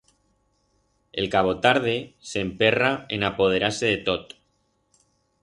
El cabotarde s'emperra en apoderar-se de tot.